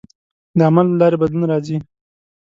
د عمل له لارې بدلون راځي.